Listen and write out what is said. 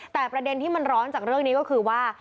แต่ประเด็นที่มันร้อนจากเรื่องนี้ก็คือว่า